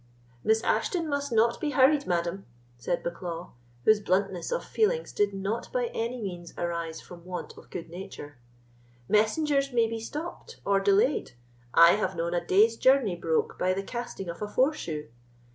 "Miss Ashton must not be hurried, madam," said Bucklaw, whose bluntness of feeling did not by any means arise from want of good nature; "messengers may be stopped or delayed. I have known a day's journey broke by the casting of a foreshoe.